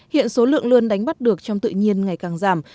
hiện số lượng lươn đánh bắt được trong tự nhiên ngày càng giảm